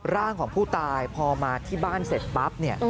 ร่างของผู้ตายพอมาที่บ้านเสร็จปั๊บเนี่ย